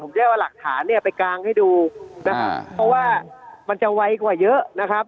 ผมจะเอาหลักฐานเนี่ยไปกางให้ดูนะครับเพราะว่ามันจะไวกว่าเยอะนะครับ